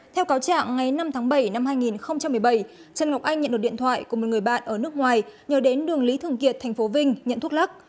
theo cáo trạng ngày năm tháng bảy năm hai nghìn một mươi bảy trần ngọc anh nhận được điện thoại của một người bạn ở nước ngoài nhờ đến đường lý thường kiệt thành phố vinh nhận thuốc lắc